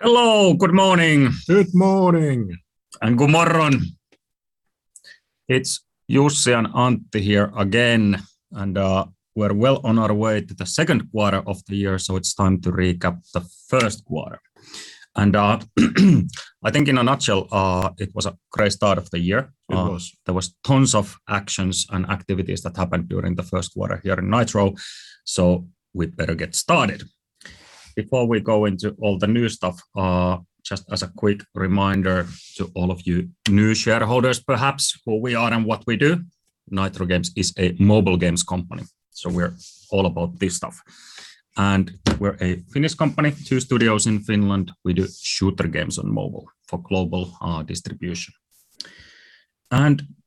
Hello. Good morning. Good morning. It's Jussi and Antti here again, and we're well on our way to the second quarter of the year, so it's time to recap the first quarter. I think in a nutshell, it was a great start of the year. It was. There was tons of actions and activities that happened during the first quarter here in Nitro. We'd better get started. Before we go into all the new stuff, just as a quick reminder to all of you new shareholders perhaps, who we are and what we do. Nitro Games is a mobile games company. We're all about this stuff. We're a Finnish company, two studios in Finland. We do shooter games on mobile for global distribution.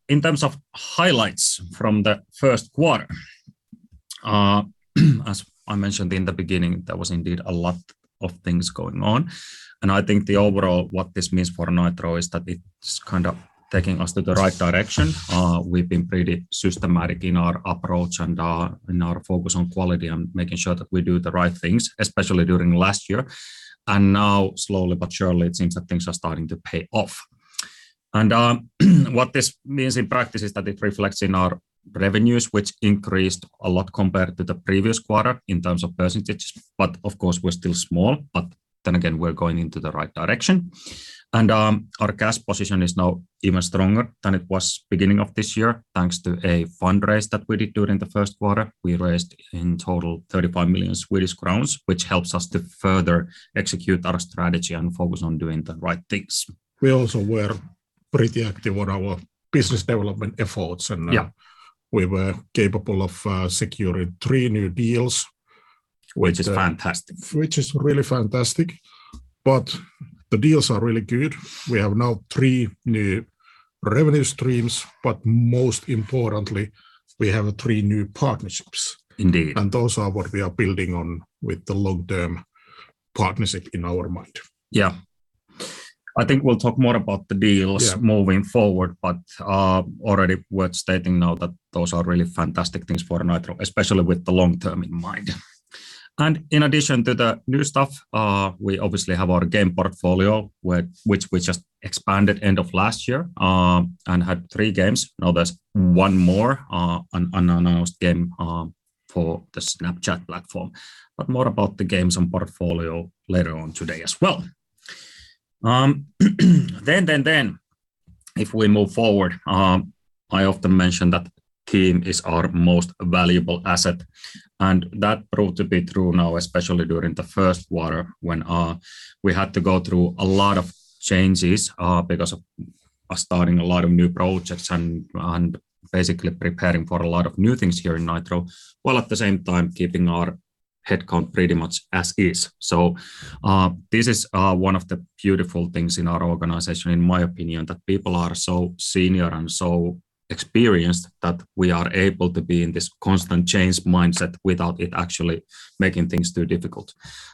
In terms of highlights from the first quarter, as I mentioned in the beginning, there was indeed a lot of things going on. I think the overall what this means for Nitro is that it's taking us to the right direction. We've been pretty systematic in our approach and in our focus on quality and making sure that we do the right things, especially during last year. Now slowly but surely, it seems that things are starting to pay off. What this means in practice is that it reflects in our revenues, which increased a lot compared to the previous quarter in terms of percentage. Of course, we're still small, but then again, we're going into the right direction. Our cash position is now even stronger than it was beginning of this year, thanks to a fundraise that we did during the first quarter. We raised in total 35 million Swedish crowns, which helps us to further execute our strategy and focus on doing the right things. We also were pretty active on our business development efforts. Yeah We were capable of securing three new deals. Which is fantastic. Which is really fantastic, but the deals are really good. We have now three new revenue streams, but most importantly, we have three new partnerships. Indeed. Those are what we are building on with the long-term partnership in our mind. Yeah. I think we'll talk more about the deals. Yeah Already worth stating now that those are really fantastic things for Nitro, especially with the long-term in mind. In addition to the new stuff, we obviously have our game portfolio, which we just expanded end of last year, and had three games. There's one more, an unannounced game, for the Snapchat platform. More about the games and portfolio later on today as well. If we move forward, I often mention that team is our most valuable asset, and that proved to be true now, especially during the first quarter when we had to go through a lot of changes because of starting a lot of new projects and basically preparing for a lot of new things here in Nitro, while at the same time keeping our headcount pretty much as is. This is one of the beautiful things in our organization, in my opinion, that people are so senior and so experienced that we are able to be in this constant change mindset without it actually making things too difficult.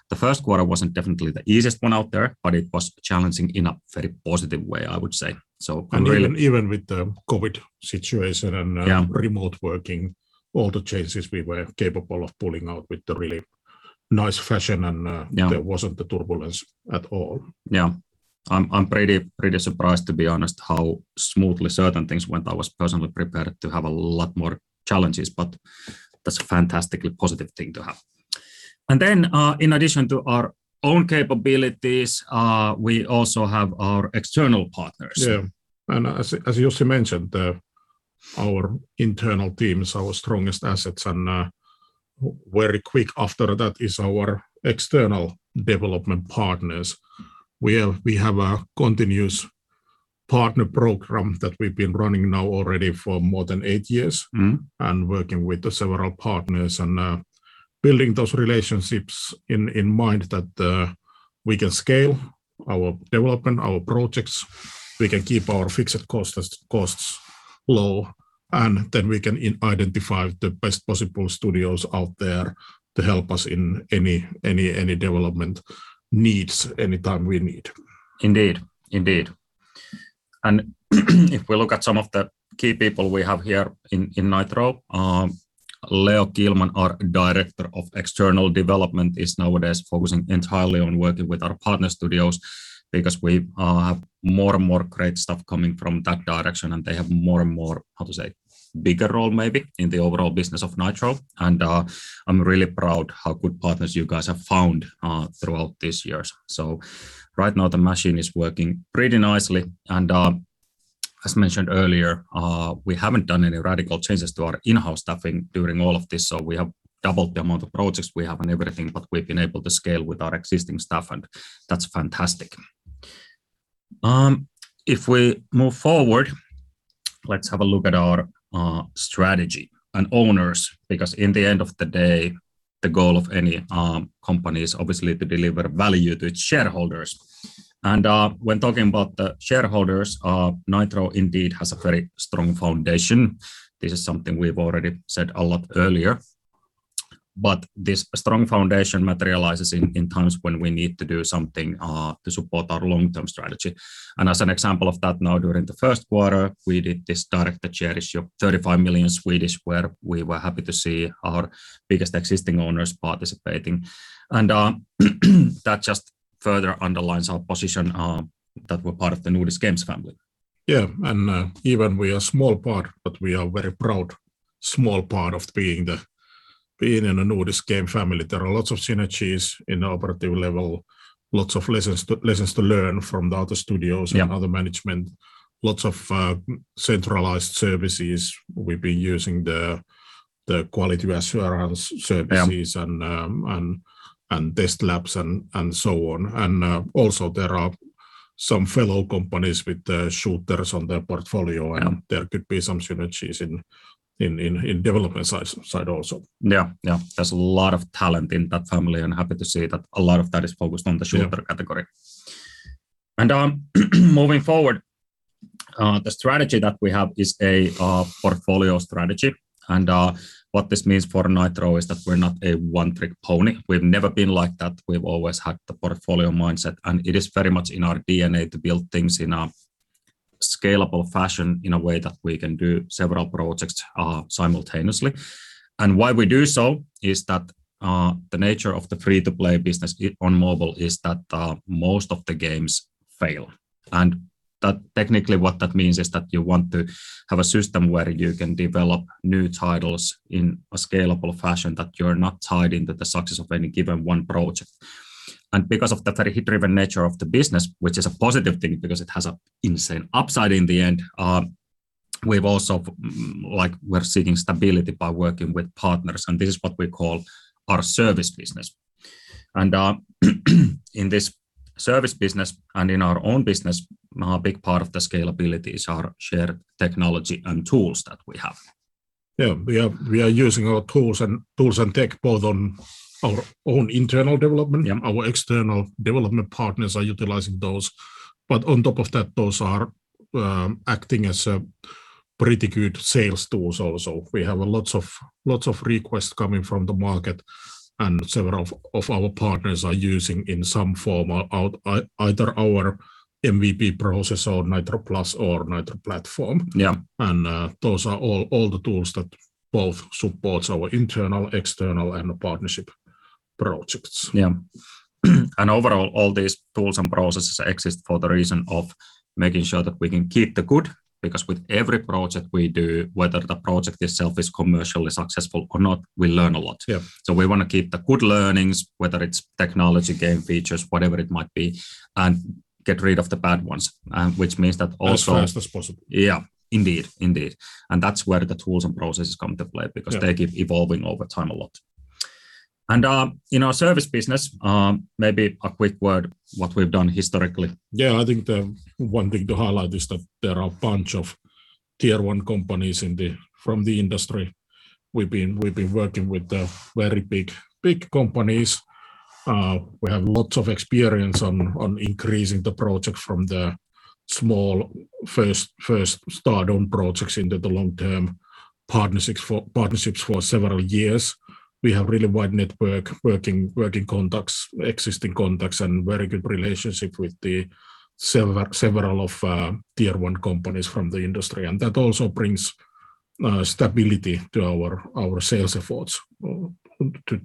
The first quarter wasn't definitely the easiest one out there, but it was challenging in a very positive way, I would say. Even with the COVID situation. Yeah remote working, all the changes we were capable of pulling out with the really nice fashion. Yeah there wasn't the turbulence at all. Yeah. I'm pretty surprised, to be honest, how smoothly certain things went. I was personally prepared to have a lot more challenges, but that's a fantastically positive thing to have. Then, in addition to our own capabilities, we also have our external partners. Yeah. As Jussi mentioned, our internal team is our strongest assets, and very quick after that is our external development partners. We have a continuous partner program that we've been running now already for more than eight years. Working with the several partners and building those relationships in mind that we can scale our development, our projects, we can keep our fixed costs low, and then we can identify the best possible studios out there to help us in any development needs any time we need. Indeed. If we look at some of the key people we have here in Nitro, Leo Kihlman, our director of external development, is nowadays focusing entirely on working with our partner studios because we have more and more great stuff coming from that direction, and they have more and more, how to say, bigger role maybe, in the overall business of Nitro, and I'm really proud how good partners you guys have found throughout these years. Right now, the machine is working pretty nicely and, as mentioned earlier, we haven't done any radical changes to our in-house staffing during all of this. We have doubled the amount of projects we have and everything, but we've been able to scale with our existing staff and that's fantastic. If we move forward, let's have a look at our strategy and owners because in the end of the day, the goal of any company is obviously to deliver value to its shareholders. When talking about the shareholders, Nitro Games indeed has a very strong foundation. This is something we've already said a lot earlier. This strong foundation materializes in times when we need to do something to support our long-term strategy. As an example of that now during the first quarter, we did this directed share issue of 35 million SEK, where we were happy to see our biggest existing owners participating. That just further underlines our position that we're part of the Nordisk Games family. Yeah. Even we are small part, but we are very proud small part of being in a Nordisk Games family. There are lots of synergies in operative level, lots of lessons to learn from the other studios. Yeah Other management. Lots of centralized services. We've been using the quality assurance services. Yeah Test labs and so on. Also there are some fellow companies with shooters on their portfolio. Yeah There could be some synergies in development side also. Yeah. There's a lot of talent in that family, and happy to see that a lot of that is focused on the shooter. Yeah category. Moving forward, the strategy that we have is a portfolio strategy. What this means for Nitro is that we're not a one-trick pony. We've never been like that. We've always had the portfolio mindset, and it is very much in our DNA to build things in a scalable fashion in a way that we can do several projects simultaneously. Why we do so is that the nature of the free-to-play business on mobile is that most of the games fail. Technically what that means is that you want to have a system where you can develop new titles in a scalable fashion, that you're not tied into the success of any given one project. Because of that very hit-driven nature of the business, which is a positive thing because it has an insane upside in the end, we're seeking stability by working with partners, and this is what we call our service business. In this service business and in our own business, a big part of the scalability is our shared technology and tools that we have. Yeah. We are using our tools and tech both on our own internal development- Yeah our external development partners are utilizing those. On top of that, those are acting as a pretty good sales tools also. We have lots of requests coming from the market. Several of our partners are using in some form either our MVP process or Nitro Platform or Nitro Platform. Yeah. Those are all the tools that both supports our internal, external, and partnership projects. Yeah. Overall, all these tools and processes exist for the reason of making sure that we can keep the good, because with every project we do, whether the project itself is commercially successful or not, we learn a lot. Yeah. We want to keep the good learnings, whether it's technology, game features, whatever it might be, and get rid of the bad ones. As fast as possible. Yeah. Indeed. That's where the tools and processes come into play. Yeah because they keep evolving over time a lot. In our service business, maybe a quick word what we've done historically. Yeah, I think the one thing to highlight is that there are a bunch of Tier 1 companies from the industry. We've been working with the very big companies. We have lots of experience on increasing the project from the small first start-on projects into the long-term partnerships for several years. We have really wide network, working contacts, existing contacts, and very good relationship with several of Tier 1 companies from the industry. That also brings stability to our sales efforts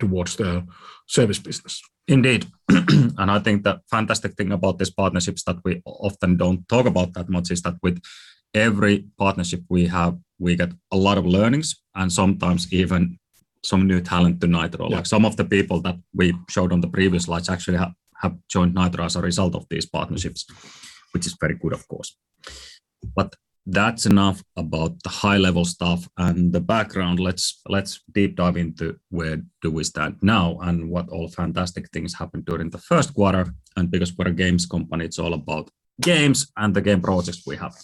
towards the service business. Indeed. I think the fantastic thing about this partnership is that we often don't talk about that much, is that with every partnership we have, we get a lot of learnings and sometimes even some new talent to Nitro. Yeah. Some of the people that we showed on the previous slides actually have joined Nitro as a result of these partnerships, which is very good of course. That's enough about the high level stuff and the background. Let's deep dive into where do we stand now and what all fantastic things happened during the first quarter. Because we're a games company, it's all about games and the game projects we have.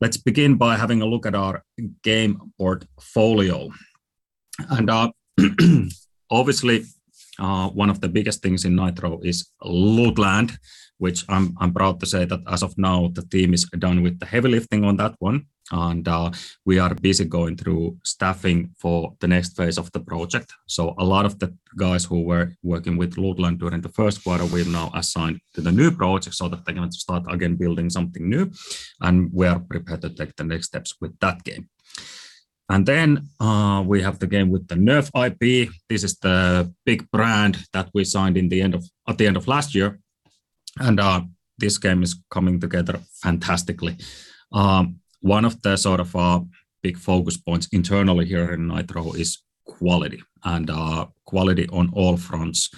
Let's begin by having a look at our game portfolio. Obviously, one of the biggest things in Nitro is Lootland, which I'm proud to say that as of now, the team is done with the heavy lifting on that one, and we are busy going through staffing for the next phase of the project. A lot of the guys who were working with Lootland during the first quarter, we have now assigned to the new project so that they're going to start again building something new, and we are prepared to take the next steps with that game. Then we have the game with the Nerf IP. This is the big brand that we signed at the end of last year. This game is coming together fantastically. One of the sort of big focus points internally here in Nitro is quality and quality on all fronts.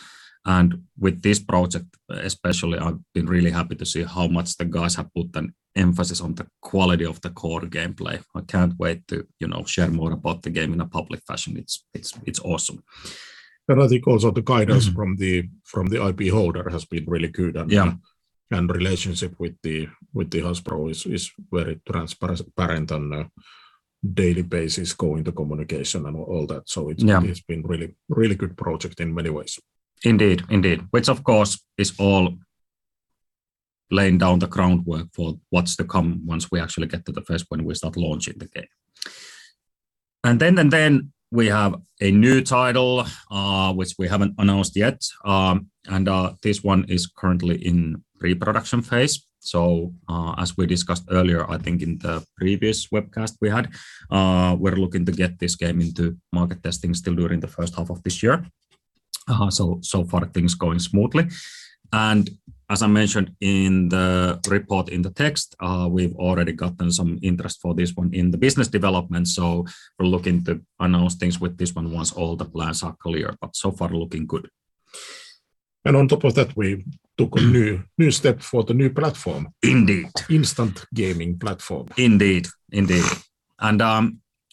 With this project especially, I've been really happy to see how much the guys have put an emphasis on the quality of the core gameplay. I can't wait to share more about the game in a public fashion. It's awesome. I think also the guidance from the IP holder has been really good. Yeah Relationship with Hasbro is very transparent on a daily basis, going to communication and all that. Yeah been really good project in many ways. Indeed. Which of course is all laying down the groundwork for what's to come once we actually get to the phase when we start launching the game. We have a new title, which we haven't announced yet, and this one is currently in pre-production phase. As we discussed earlier, I think in the previous webcast we had, we're looking to get this game into market testing still during the first half of this year. So far, things going smoothly. As I mentioned in the report in the text, we've already gotten some interest for this one in the business development, so we're looking to announce things with this one once all the plans are clear, but so far looking good. On top of that, we took a new step for the new platform. Indeed. Instant gaming platform. Indeed.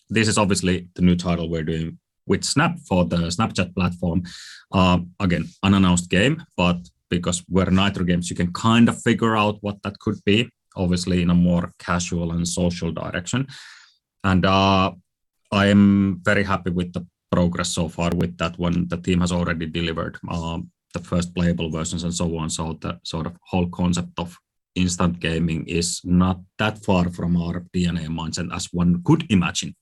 This is obviously the new title we're doing with Snap for the Snapchat platform. Again, unannounced game, but because we're Nitro Games, you can figure out what that could be, obviously in a more casual and social direction. I am very happy with the progress so far with that one. The team has already delivered the first playable versions and so on, so the whole concept of instant gaming is not that far from our DNA minds, and as one could imagine.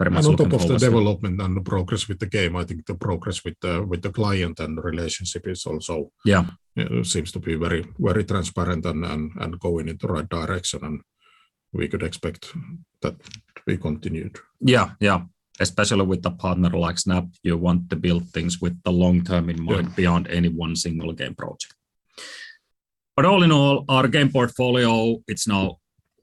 On top of the development and the progress with the game, I think the progress with the client and the relationship is also. Yeah seems to be very transparent and going in the right direction, and we could expect that to be continued. Yeah. Especially with a partner like Snap, you want to build things with the long-term in mind. Yeah beyond any one single game project. All in all, our game portfolio, it's now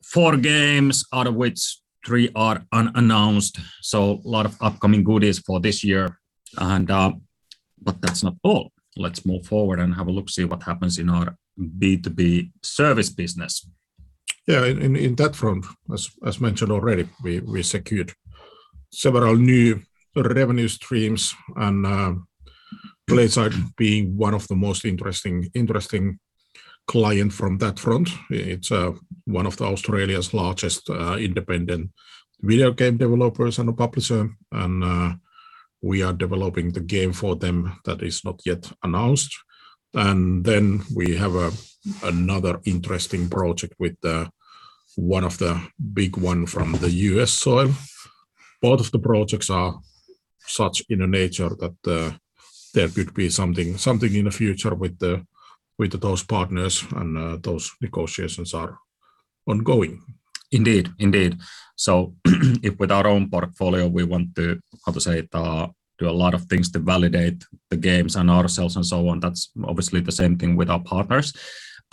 four games, out of which three are unannounced, so a lot of upcoming goodies for this year. That's not all. Let's move forward and have a look, see what happens in our B2B service business. Yeah. In that front, as mentioned already, we secured several new revenue streams. PlaySide Studios being one of the most interesting client from that front. It's one of Australia's largest independent video game developers and a publisher. We are developing the game for them that is not yet announced. We have another interesting project with one of the big one from the U.S. soil. Both of the projects are such in a nature that there could be something in the future with those partners. Those negotiations are ongoing. Indeed. If with our own portfolio we want to, how to say it, do a lot of things to validate the games and ourselves and so on, that's obviously the same thing with our partners.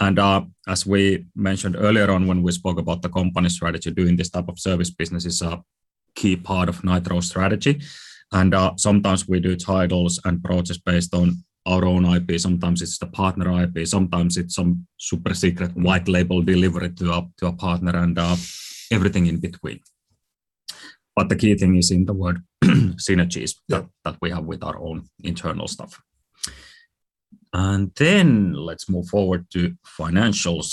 As we mentioned earlier on when we spoke about the company strategy, doing this type of service business is a key part of Nitro Games strategy. Sometimes we do titles and projects based on our own IP, sometimes it's the partner IP, sometimes it's some super-secret white label delivery to a partner, and everything in between. The key thing is in the word synergies. Yeah that we have with our own internal stuff. Let's move forward to financials.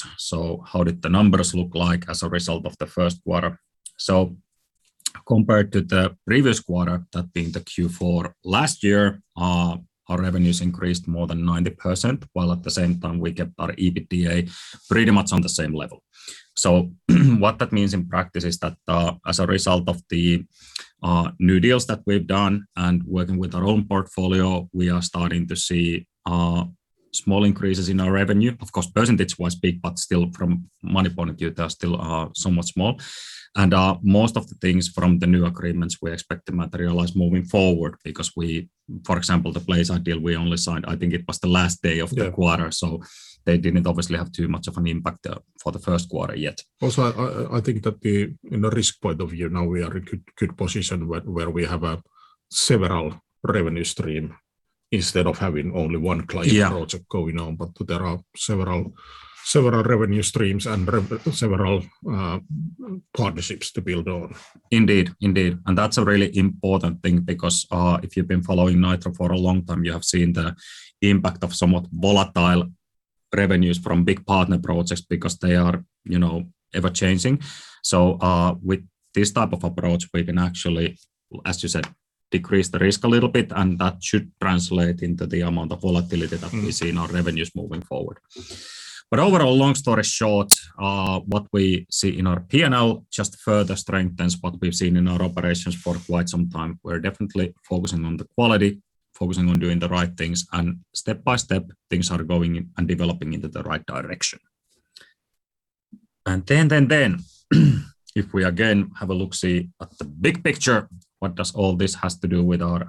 How did the numbers look like as a result of the first quarter? Compared to the previous quarter, that being the Q4 last year, our revenues increased more than 90%, while at the same time we kept our EBITDA pretty much on the same level. What that means in practice is that as a result of the new deals that we've done and working with our own portfolio, we are starting to see small increases in our revenue. Of course, percentage was big, but still from money point of view, they are still somewhat small. Most of the things from the new agreements we expect to materialize moving forward because, for example, the PlaySide deal, we only signed, I think it was the last day of the quarter. Yeah They didn't obviously have too much of an impact for the first quarter yet. Also, I think that in the risk point of view now, we are in good position where we have several revenue stream instead of having only one client. Yeah Project going on, but there are several revenue streams and several partnerships to build on. Indeed. That's a really important thing because if you've been following Nitro for a long time, you have seen the impact of somewhat volatile revenues from big partner projects because they are ever-changing. With this type of approach, we can actually, as you said, decrease the risk a little bit, and that should translate into the amount of volatility that we see. in our revenues moving forward. Overall, long story short, what we see in our P&L just further strengthens what we've seen in our operations for quite some time. We're definitely focusing on the quality, focusing on doing the right things. Step by step, things are going and developing into the right direction. Then, if we again have a look-see at the big picture, what does all this has to do with our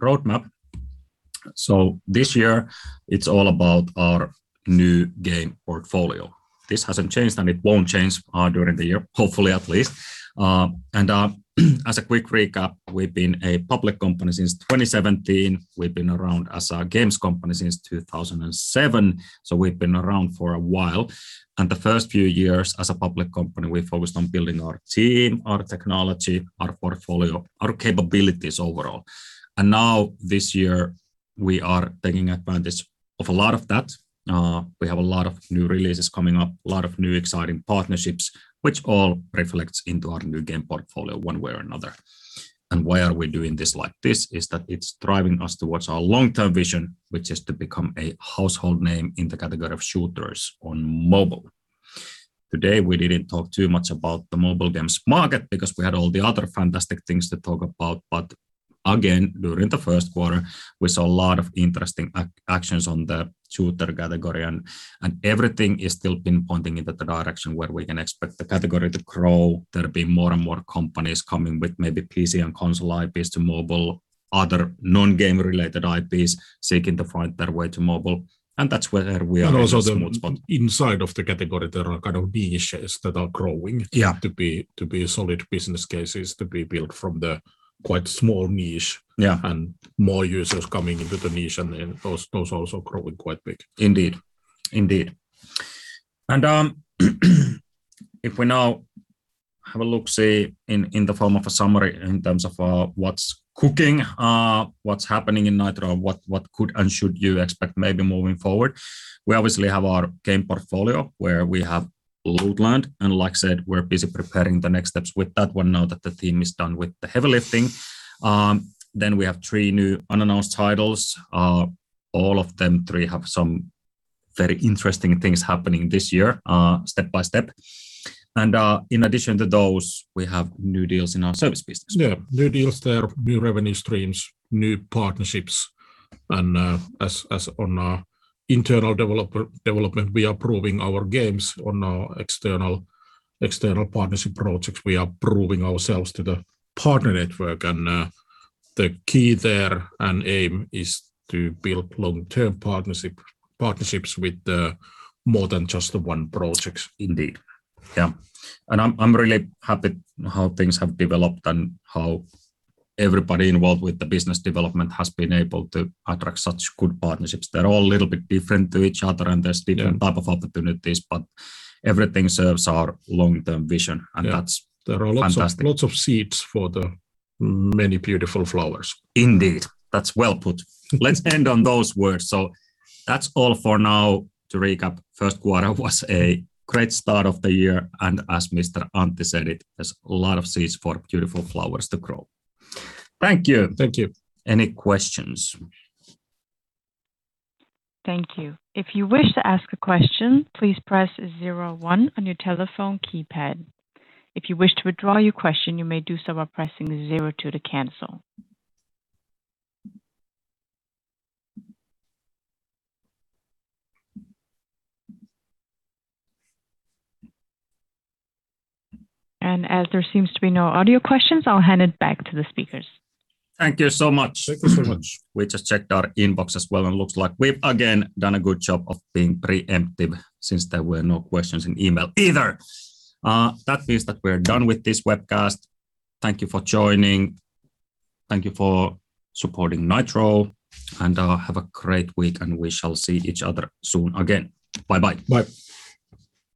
roadmap? This year it's all about our new game portfolio. This hasn't changed, and it won't change during the year, hopefully at least. As a quick recap, we've been a public company since 2017. We've been around as a games company since 2007. We've been around for a while. The first few years as a public company, we focused on building our team, our technology, our portfolio, our capabilities overall. Now this year, we are taking advantage of a lot of that. We have a lot of new releases coming up, a lot of new exciting partnerships which all reflects into our new game portfolio one way or another. Why are we doing this like this is that it's driving us towards our long-term vision, which is to become a household name in the category of shooters on mobile. Today, we didn't talk too much about the mobile games market because we had all the other fantastic things to talk about. Again, during the first quarter, we saw a lot of interesting actions on the shooter category, and everything is still been pointing into the direction where we can expect the category to grow, there'll be more and more companies coming with maybe PC and console IPs to mobile. Other non-game related IPs seeking to find their way to mobile, and that's where we are in a sweet spot. Also inside of the category, there are niches that are growing. Yeah to be solid business cases to be built from the quite small niche. Yeah. More users coming into the niche, and then those also growing quite big. Indeed. If we now have a look, say, in the form of a summary in terms of what's cooking, what's happening in Nitro, what could and should you expect maybe moving forward. We obviously have our game portfolio where we have Lootland, and like I said, we're busy preparing the next steps with that one now that the team is done with the heavy lifting. We have three new unannounced titles. All of them three have some very interesting things happening this year, step by step. In addition to those, we have new deals in our service business. Yeah. New deals there, new revenue streams, new partnerships, and as on internal development, we are proving our games on our external partnership projects. We are proving ourselves to the partner network, and the key there and aim is to build long-term partnerships with more than just the one project. Indeed. Yeah. I'm really happy how things have developed and how everybody involved with the business development has been able to attract such good partnerships. They're all a little bit different to each other. Yeah different type of opportunities, but everything serves our long-term vision, and that's fantastic. There are lots of seeds for the many beautiful flowers. Indeed. That's well put. Let's end on those words. That's all for now. To recap, first quarter was a great start of the year, and as Mr. Antti said it, there's a lot of seeds for beautiful flowers to grow. Thank you. Thank you. Any questions? Thank you. If you wish to ask a question, please press zero one on your telephone keypad. If you wish to withdraw your question, you may do so by pressing zero two to cancel. As there seems to be no audio questions, I'll hand it back to the speakers. Thank you so much. Thank you so much. We just checked our inbox as well, and looks like we've again done a good job of being preemptive since there were no questions in email either. That means that we're done with this webcast. Thank you for joining. Thank you for supporting Nitro. Have a great week. We shall see each other soon again. Bye-bye. Bye.